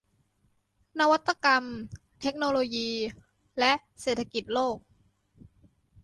นวัตกรรม เทคโนโลยี และเศรษฐกิจโลก